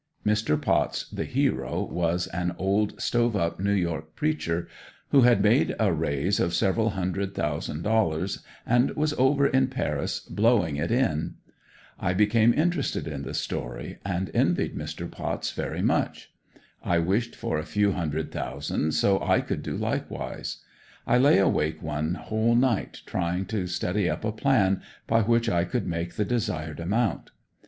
Mr. Potts, the hero, was an old stove up New York preacher, who had made a raise of several hundred thousand dollars and was over in Paris blowing it in. I became interested in the story, and envied Mr. Potts very much. I wished for a few hundred thousand so I could do likewise; I lay awake one whole night trying to study up a plan by which I could make the desired amount.